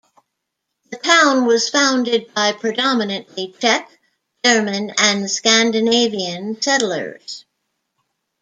The town was founded by predominantly Czech, German, and Scandinavian settlers.